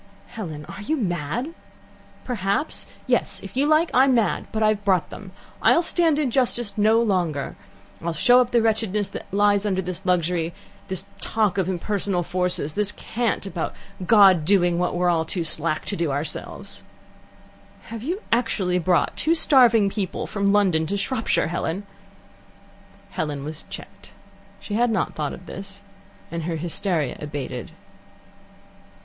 "Helen, are you mad?" "Perhaps. Yes. If you like, I'm mad. But I've brought them. I'll stand injustice no longer. I'll show up the wretchedness that lies under this luxury, this talk of impersonal forces, this cant about God doing what we're too slack to do ourselves." "Have you actually brought two starving people from London to Shropshire, Helen?" Helen was checked. She had not thought of this, and her hysteria abated.